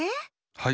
はい。